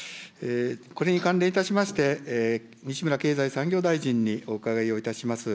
これに関連いたしまして、西村経済産業大臣にお伺いをいたします。